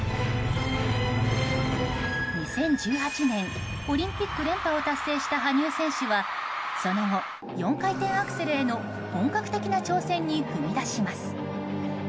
２０１８年オリンピック連覇を達成した羽生選手はその後、４回転アクセルへの本格的な挑戦に踏み出します。